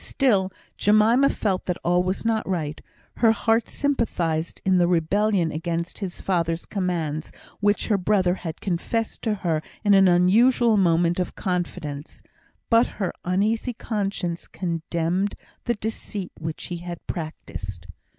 Still, Jemima felt that all was not right; her heart sympathised in the rebellion against his father's commands, which her brother had confessed to her in an unusual moment of confidence, but her uneasy conscience condemned the deceit which he had practised.